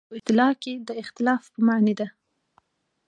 په اصطلاح کې د اختلاف په معنی ده.